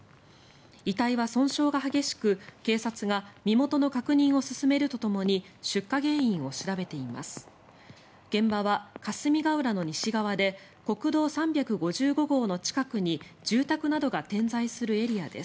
遺体は損傷が激しく、警察が身元の確認を進めるとともに出火原因を調べています。